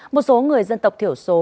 một số người dân tộc thiểu số